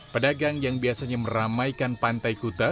pedagang yang biasanya meramaikan pantai kuta